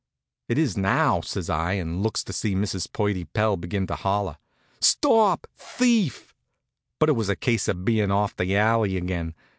"It is now," says I, and looks to see Mrs. Purdy Pell begin to holler: "Stop thief!" But it was a case of being off the alley again.